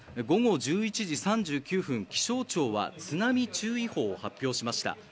午後１１時３９分気象庁は津波注意報を発表しました。